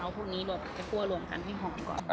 เอาพวกนี้ลงคั่วรวมกันให้หอมก่อน